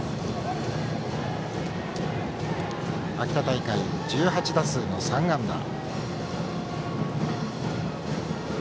秋田大会、１８打数の３安打。